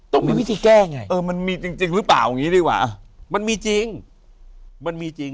ต้องมีวิธีแก้ไงเออมันมีจริงจริงหรือเปล่าอย่างงี้ดีกว่ามันมีจริงมันมีจริง